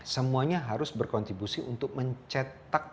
semuanya harus berkontribusi untuk mencetak